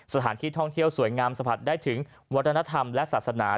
สถานที่ท่องเที่ยวสวยงามสะผัดได้ถึงวัฒนธรรมและศาสนา